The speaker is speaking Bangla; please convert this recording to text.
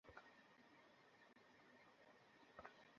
কিন্তু এবিএম মূসার মৃত্যু আমাদের কাছে অপূরণীয় ক্ষতি বলে মনে হচ্ছে।